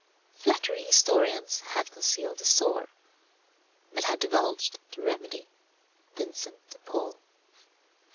Flattering historians have concealed the sore, but have divulged the remedy, Vincent de Paul.